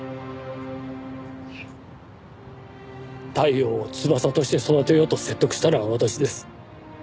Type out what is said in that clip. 太陽を翼として育てようと説得したのは私です。